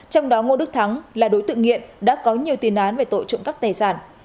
trong đó ngô đức thắng là đối tượng nghiện đã có nhiều tiền án về tội trộm cắp tài sản